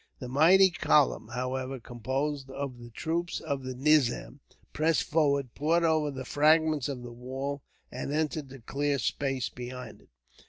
The mighty column, however, composed of the troops of the nizam, pressed forward, poured over the fragments of the wall, and entered the clear space behind it.